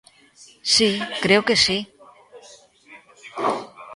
Si, creo que si.